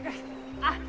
あっ！